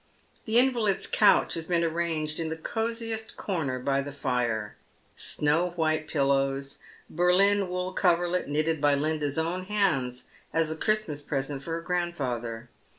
The in valid's couch has been arranged in the cosiest corner by the fire ; snow white pillows, Berlin wool coverlet, knitted by Linda's own hands as a Christmas present for her grandfather.